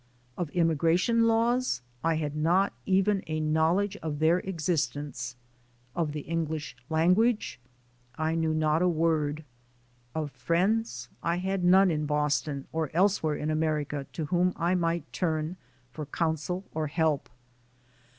Of immigration laws I had not even a knowledge of their existence; of the English lan guage I knew not a word; of friends I had none in Boston or elsewhere in America to whom I might turn for counsel or help.